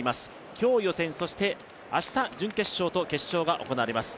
今日予選、そして明日準決勝と決勝が行われます。